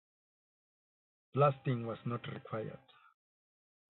Blasting was not required.